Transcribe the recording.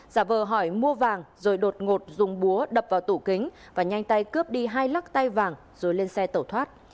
giả vờ hỏi mua vàng rồi đột ngột dùng búa đập vào tủ kính và nhanh tay cướp đi hai lắc tay vàng rồi lên xe tẩu thoát